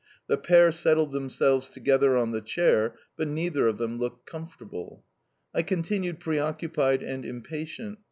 The pair settled themselves together on the chair, but neither of them looked comfortable. I continued preoccupied and impatient.